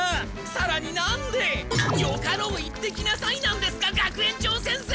さらになんで「よかろう行ってきなさい」なんですか学園長先生！